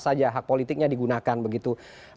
saja hak politiknya digunakan begitu